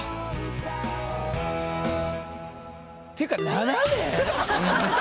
っていうか７年！